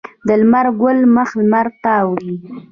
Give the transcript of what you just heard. د لمر ګل مخ لمر ته وي.